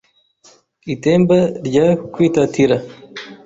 I Temba rya Kwitatira